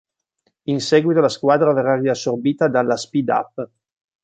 In seguito la squadra verrà riassorbita dalla Speed Up.